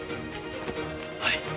はい。